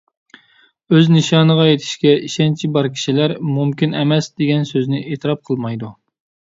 ئۆز نىشانىغا يېتىشكە ئىشەنچى بار كىشىلەر «مۇمكىن ئەمەس» دېگەن سۆزنى ئېتىراپ قىلمايدۇ.